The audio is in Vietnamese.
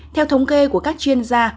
theo thống kê của các chuyên gia